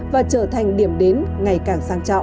và trở thành điểm đến ngày càng sang trọng